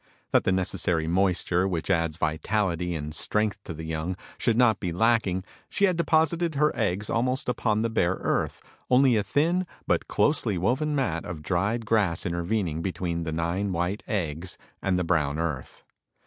That the necessary moisture, which adds vitality and strength to the young should not be lacking, she had deposited her eggs almost upon the bare earth, only a thin, but closely woven mat of dried grass intervening between the nine white eggs and the brown earth.